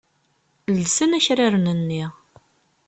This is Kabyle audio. Llsen akraren-nni.